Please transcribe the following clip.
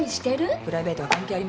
プライベートは関係ありません。